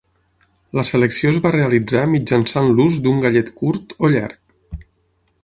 La selecció es va realitzar mitjançant l'ús d'un gallet curt o llarg.